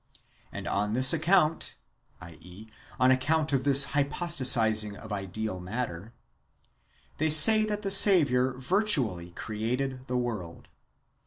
And on this account (i.e. on account of this hypostatizing of ideal matter) they say that the Saviour virtually^ created the world.